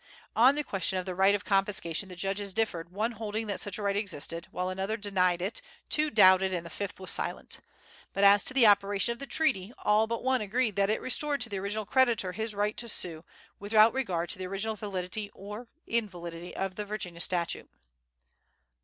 On the question of the right of confiscation the judges differed, one holding that such a right existed, while another denied it, two doubted, and the fifth was silent. But as to the operation of the treaty, all but one agreed that it restored to the original creditor his right to sue, without regard to the original validity or invalidity of the Virginia statute.